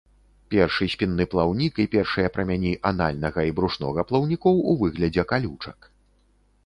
Першы спінны плаўнік і першыя прамяні анальнага і брушнога плаўнікоў у выглядзе калючак.